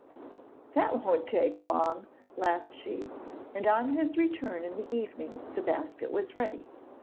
'That won't take long,' laughed she, and on his return in the evening the basket was ready.